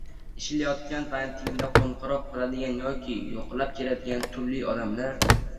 ishlayotgan paytingda qoʻngʻiroq qiladigan yoki yoʻqlab keladigan turli odamlar